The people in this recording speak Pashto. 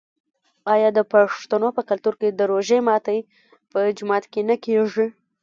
آیا د پښتنو په کلتور کې د روژې ماتی په جومات کې نه کیږي؟